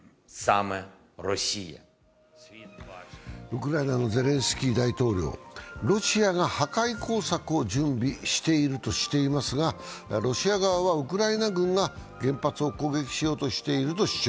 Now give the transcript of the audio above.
ウクライナのゼレンスキー大統領は、ロシアが破壊工作を準備しているとしていますが、ロシア側はウクライナ軍が原発を攻撃しようとしていると主張。